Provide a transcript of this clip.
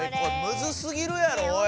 むずすぎるやろおい！